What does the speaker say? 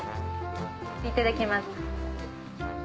いただきます。